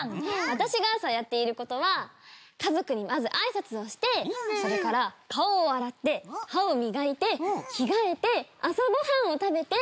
私が朝やっていることは家族にまず挨拶をしてそれから顔を洗って歯を磨いて着替えて朝ごはんを食べて。